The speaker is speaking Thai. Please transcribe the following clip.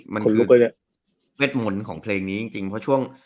เม็ดหมนของเพลงนี้จริงเพราะช่วง